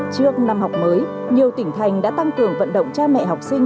trước năm học mới nhiều tỉnh thành đã tăng cường vận động cha mẹ học sinh